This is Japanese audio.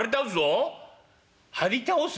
「はり倒す？」。